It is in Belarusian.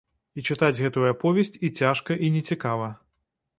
І чытаць гэтую аповесць і цяжка, і нецікава.